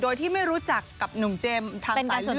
โดยที่ไม่รู้จักกับหนุ่มเจมส์ทางสายเลย